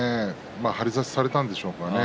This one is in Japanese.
張り差しをされたんでしょうかね。